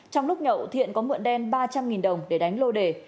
trong lúc nhậu thiện có mượn đen ba trăm linh đồng để đánh lô đề